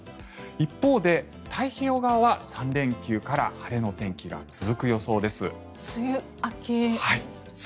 一方で、太平洋側は３連休から晴れの天気が続く予想です。